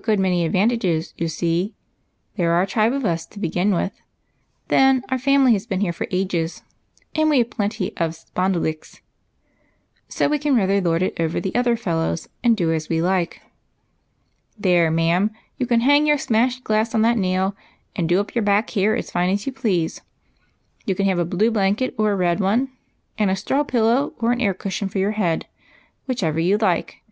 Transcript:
103 good many advantages, you see. There are a tribe of us, to begin with ; then our family has been here for ages, and we have j^lenty of ' sj)ondulics,' so we can rather lord^t over the other fellows and do as we like. There, ma'am, you can hang your smashed glass on that nail and do up your back hair as fine as you please. You can have a blue blanket or a red one, and a straw pillow or an air cushion for your head, whichever you like.